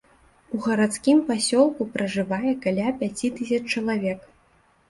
У гарадскім пасёлку пражывае каля пяці тысяч чалавек.